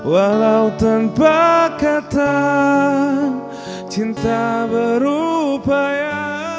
walau tanpa kata cinta berupaya